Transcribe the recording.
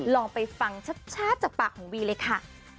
ลองไปฟังชัดจากปากของวีเลยค่ะ